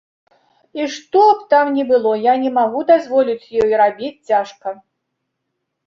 І што б там ні было, я не магу дазволіць ёй рабіць цяжка.